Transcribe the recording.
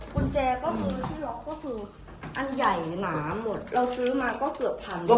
กุญแจก็คือที่ล็อกก็คืออันใหญ่หนาหมดเราซื้อมาก็เกือบพัน